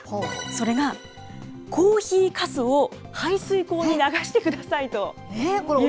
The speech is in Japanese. それが、コーヒーかすを排水口に流してくださいと。